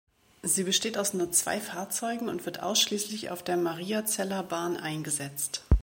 Sie besteht aus nur zwei Fahrzeugen und wird ausschließlich auf der Mariazellerbahn eingesetzt.